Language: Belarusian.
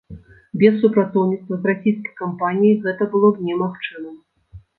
Без супрацоўніцтва з расійскай кампаніяй гэта было б немагчымым.